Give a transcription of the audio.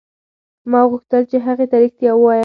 ما غوښتل چې هغې ته رښتیا ووایم.